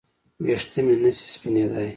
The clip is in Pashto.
ویښته مې نشي سپینېدای